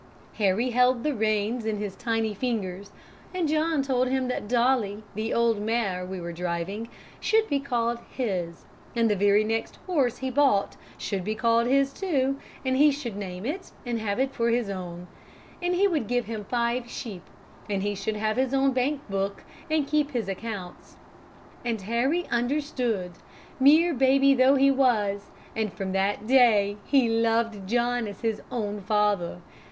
Harry held the reins in his tiny fingers, and John told him that Dolly, the old mare we were driving, should be called his, and the very next horse he bought should be called his, too, and he should name it and have it for his own; and he would give him five sheep, and he should have his own bank book and keep his accounts; and Harry understood, mere baby though he was, and from that day he loved John as his own father.